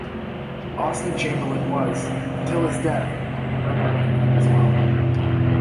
Austen Chamberlain was, until his death, a member of the group as well.